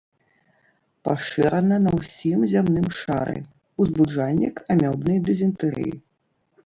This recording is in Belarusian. Пашырана на ўсім зямным шары, узбуджальнік амёбнай дызентэрыі.